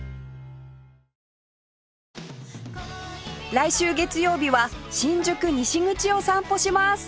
来週月曜日は新宿西口を散歩します